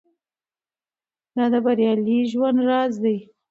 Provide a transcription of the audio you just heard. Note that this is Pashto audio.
دا د بریالي ژوند راز دی.